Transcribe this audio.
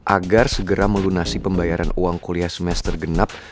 agar segera melunasi pembayaran uang kuliah semester genap